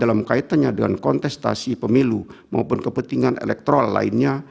dalam kaitannya dengan kontestasi pemilu maupun kepentingan elektoral lainnya